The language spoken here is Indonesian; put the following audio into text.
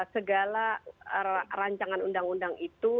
segala rancangan undang undang itu